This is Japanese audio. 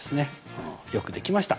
うんよくできました。